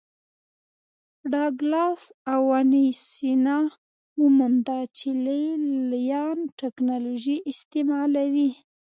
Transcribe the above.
ډاګلاس او وانسینا ومونده چې لې لیان ټکنالوژي استعملوي